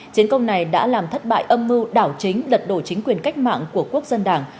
chiến công này đã làm thất bại âm mưu đảo chính lật đổ chính quyền cách mạng của quốc dân đảng